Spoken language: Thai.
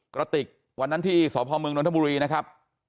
กระติกวันนั้นที่สพเมืองนทบุรีนะครับ